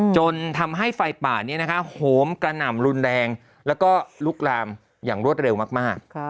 จนทำให้ไฟป่านี้โหมกระหน่ำรุนแรงแล้วก็ลุกลามอย่างรวดเร็วมาก